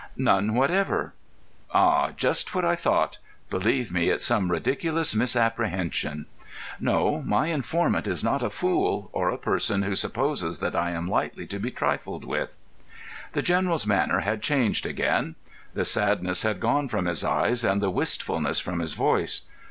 "None whatever." "Ah, just what I thought! Believe me, it's some ridiculous misapprehension." "No; my informant is not a fool, or a person who supposes that I am lightly to be trifled with." The General's manner had changed again. The sadness had gone from his eyes and the wistfulness from his voice.